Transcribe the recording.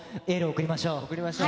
送りましょう。